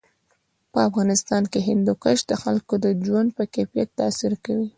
په افغانستان کې هندوکش د خلکو د ژوند په کیفیت تاثیر کوي.